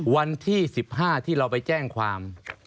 วันที่๑๕ที่เราไปแจ้งความ